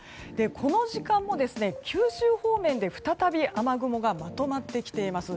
この時間も九州方面で再び雨雲がまとまってきています。